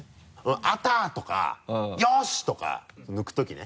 「あた！」とか「よし！」とか抜くときね。